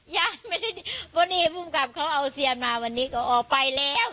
ยานไม่ได้เพราะนี่ภูมิกรรพเขาเอาเสียงมาวันนี้ก็ออกไปแล้ว